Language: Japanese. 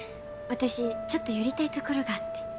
私ちょっと寄りたい所があって。